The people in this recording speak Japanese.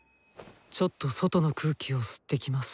ちょっと外の空気を吸ってきます。